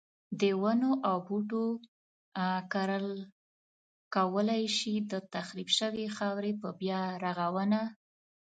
د ونو او بوټو کرل کولای شي د تخریب شوی خاورې په بیا رغونه.